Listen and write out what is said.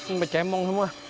ini bercemong semua